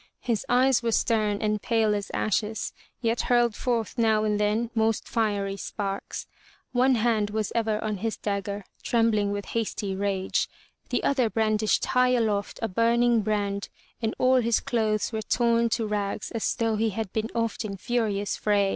His eyes were stern and pale as ashes, yet hurled forth now and then most fiery sparks. One hand was ever on his dagger, trembling with hasty rage, the other brand ished high aloft a burning brand, and all his clothes were torn to rags as though he had been oft in furious frays.